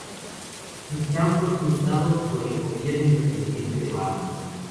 El plan fue frustrado por el gobierno independiente de Bahamas.